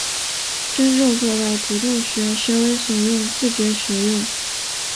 真正做到主动学、学为所用、自觉学用